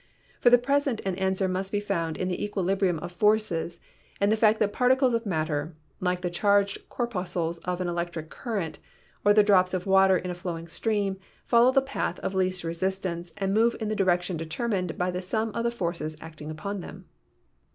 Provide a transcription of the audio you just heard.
For the present an answer must be found in the equilibrium of forces and the fact that particles of matter, like the charged corpuscles of an electric current, or the drops of water in a flowing stream, follow the path of least resistance and move in that direction determined by the sum of the forces acting upon them.